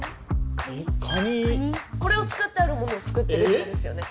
これを使ってあるものを作ったってことですよね。